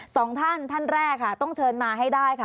สองท่านท่านแรกค่ะต้องเชิญมาให้ได้ค่ะ